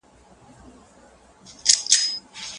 دا هغه پوهه ده چي موږ ته د ژوند لار ښيي.